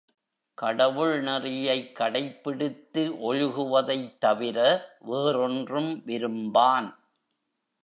கடவுள் நெறியைக் கடைப்பிடித்து ஒழுகுவதைத் தவிர வேறொன்றும் விரும்பான்.